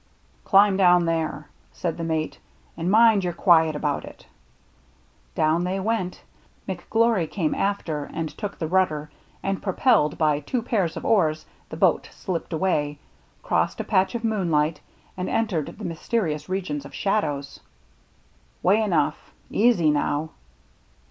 " Climb down there,'' said the mate ;" and mind you're quiet about it." Down they went ; McGlory came after and took the rudder ; and, propelled by two pairs of oars, the boat slipped away, crossed a patch BURNT COVE 125 of moonlight, and entered the mysterious region of shadows. " Way enough — easy now